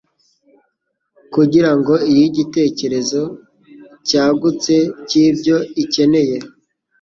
kugira ngo iyihe igitekerezo cyagutse cy'ibyo ikeneye